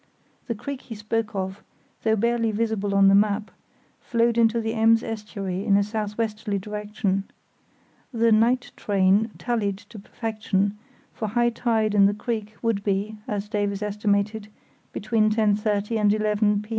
The creek he spoke of, though barely visible on the map, [See Map B] flowed into the Ems Estuary in a south westerly direction. The "night train" tallied to perfection, for high tide in the creek would be, as Davies estimated, between 10.30 and 11 p.